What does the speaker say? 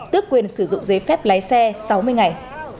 tước quyền sử dụng giấy phép lái xe sáu mươi ngày